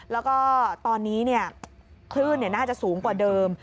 แล้วก็ตอนนี้เนี่ยคลื่นเนี่ยน่าจะสูงกว่าเดิม